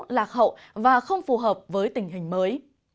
lạc hậu và không phù hợp với tình hình mới